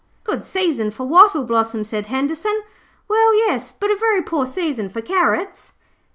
'Good season for wattle blossom,' said Henderson. 'Well, yes, but a very poor season for carrots.'